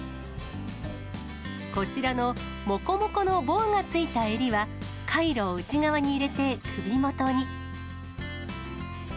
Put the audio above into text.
こちらのもこもこのボアがついた襟は、カイロを内側に入れて首元に。